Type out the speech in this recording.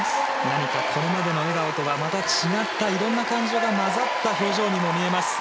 何かこれまでの笑顔とはまた違ったいろんな感情が混ざった表情にも見えます。